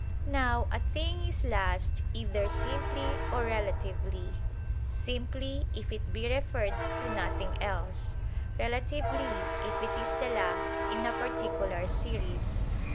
Now a thing is last either simply or relatively; simply, if it be referred to nothing else; relatively, if it is the last in a particular series.